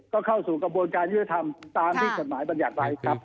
ก็เข้าสู่กระบวนการยืดธรรมตามที่จดหมายมันอยากไปครับ